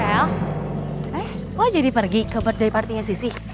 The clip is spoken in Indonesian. hel eh kok jadi pergi ke birthday party nya sissy